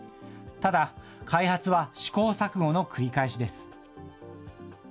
ただ、開発は試行錯誤の繰り返しです。